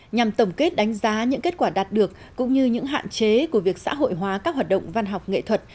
nhằm tổng kết đánh giá những kết quả đạt được cũng như những hạn chế của việc xã hội hóa các hoạt động văn học nghệ thuật